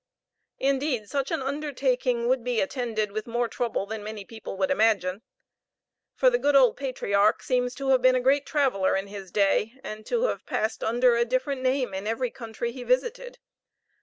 Indeed, such an undertaking would be attended with more trouble than many people would imagine; for the good old patriarch seems to have been a great traveler in his day, and to have passed under a different name in every country that he visited.